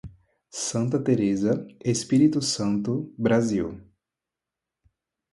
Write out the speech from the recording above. Santa Teresa, Espírito Santo, Brasil